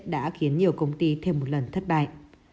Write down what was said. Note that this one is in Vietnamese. đã khiến nhiều công ty thêm một lần thất bại